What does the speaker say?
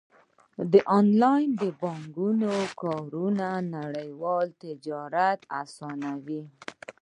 د انلاین بانکونو کارونه نړیوال تجارت اسانوي.